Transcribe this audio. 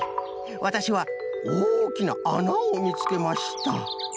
わたしはおおきなあなをみつけました